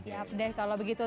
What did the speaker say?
di update kalau begitu